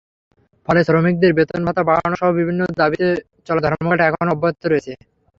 ফলে শ্রমিকদের বেতন-ভাতা বাড়ানোসহ বিভিন্ন দাবিতে চলা ধর্মঘট এখনো অব্যাহত রয়েছে।